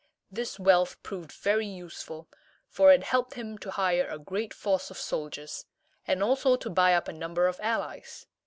This wealth proved very useful, for it helped him to hire a great force of soldiers, and also to buy up a number of allies.